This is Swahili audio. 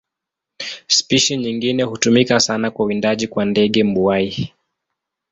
Spishi nyingine hutumika sana kwa uwindaji kwa ndege mbuai.